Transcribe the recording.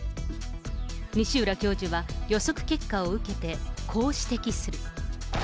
西浦教授は予測結果を受けて、こう指摘する。